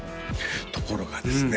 ところがですね